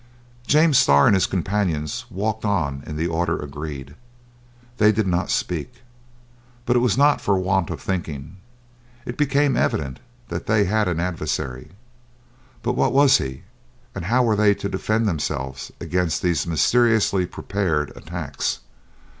James Starr and his companions walked on in the order agreed. They did not speak, but it was not for want of thinking. It became evident that they had an adversary. But what was he, and how were they to defend themselves against these mysteriously prepared attacks?